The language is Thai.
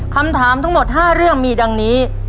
คำถามทั้งหมด๕เรื่องมีดังนี้